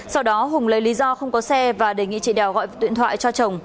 sau đó hùng lấy lý do không có xe và đề nghị chị đèo gọi điện thoại cho chồng